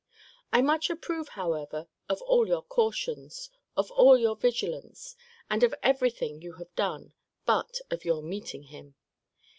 I much approve, however, of all your cautions, of all your vigilance, and of every thing you have done, but of your meeting him.